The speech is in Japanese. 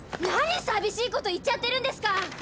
何さびしいこと言っちゃってるんですか。